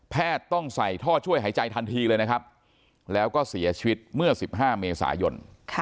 ต้องใส่ท่อช่วยหายใจทันทีเลยนะครับแล้วก็เสียชีวิตเมื่อ๑๕เมษายน